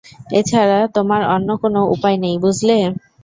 এছাড়া তোমার অন্য কোনও উপায় নেই, বুঝলে?